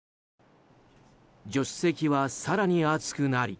助手席は更に暑くなり。